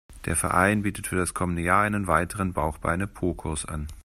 Der Verein bietet für das kommende Jahr einen weiteren Bauch-Beine-Po-Kurs an.